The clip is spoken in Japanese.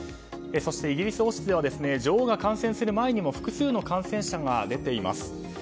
そして、イギリス王室では女王が感染する前にも複数の感染者が出ています。